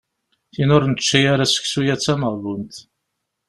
Tin ur nečči ara seksu-yagi d tameɣbunt.